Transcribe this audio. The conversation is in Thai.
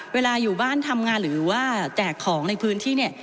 เวลาอยู่บ้านทำงานหรือว่าแจกของในพื้นที่เนี่ย